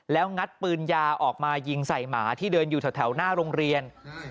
แล้วงัดปืนยาออกมายิงใส่หมาที่เดินอยู่แถวหน้าโรงเรียน